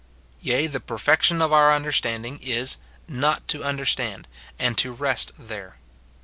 Yea, the perfection of our understanding is, not to understand, and to rest there.